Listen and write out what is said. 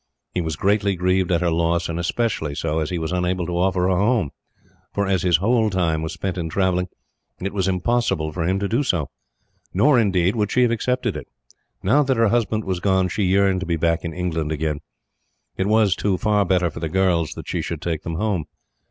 He was greatly grieved at her loss, and especially so as he was unable to offer her a home; for as his whole time was spent in travelling, it was impossible for him to do so; nor indeed, would she have accepted it. Now that her husband was gone, she yearned to be back in England again. It was, too, far better for the girls that she should take them home.